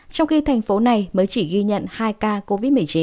trong khi thành phố này mới chỉ ghi nhận hai ca